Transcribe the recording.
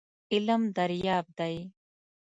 علم دریاب دی .